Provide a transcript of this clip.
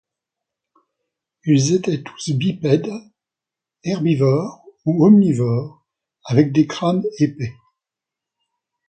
Ils étaient tous bipèdes, herbivores ou omnivores avec des crânes épais.